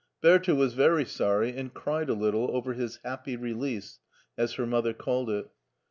Bertha was very sorry, and cried a little over his " happy release," as her mother called it.